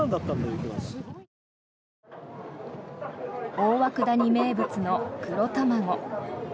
大涌谷名物の黒たまご。